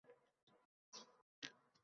Alloh menga halol kasb-kor qilishni buyurgan.